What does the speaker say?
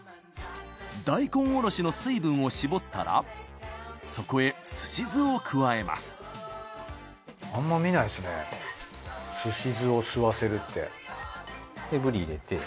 大根おろしの水分を絞ったらそこへすし酢を加えますあんま見ないっすねすし酢を吸わせるって。でブリ入れて。